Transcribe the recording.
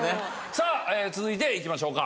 さあ続いていきましょうか。